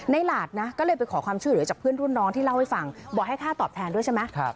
หลาดนะก็เลยไปขอความช่วยเหลือจากเพื่อนรุ่นน้องที่เล่าให้ฟังบอกให้ค่าตอบแทนด้วยใช่ไหม